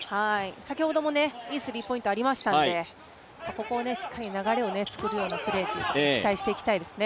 先ほどもいいスリーポイントありましたんでここでしっかり流れを作るプレーを期待したいですね。